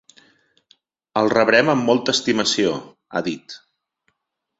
El rebrem amb molta estimació, ha dit.